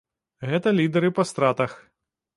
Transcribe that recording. Гэта лідэры па стратах.